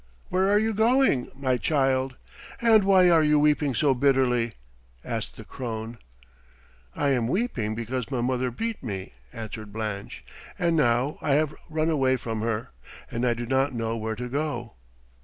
"Where are you going, my child? And why are you weeping so bitterly?" asked the crone. "I am weeping because my mother beat me," answered Blanche; "and now I have run away from her, and I do not know where to go."